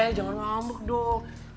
eh jangan mabuk dong